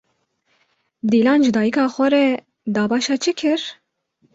Dîlan ji dayîka xwe re, dabaşa çi kir?